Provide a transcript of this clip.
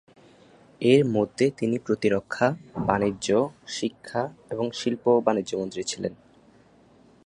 এর মধ্যে তিনি প্রতিরক্ষা, বাণিজ্য, শিক্ষা এবং শিল্প ও বাণিজ্য মন্ত্রী ছিলেন।